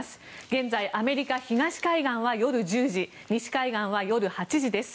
現在、アメリカ東海岸は夜１０時西海岸は夜８時です。